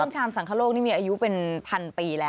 ชามสังคโลกนี่มีอายุเป็นพันปีแล้ว